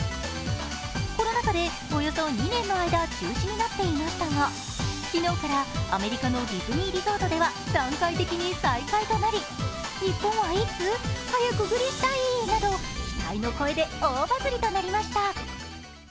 コロナ禍でおよそ２年の間中止になっていましたが、昨日からアメリカのディズニーリゾートでは段階的に再開となり日本はいつ？早くグリしたいなど期待の声で大バズリとなりました。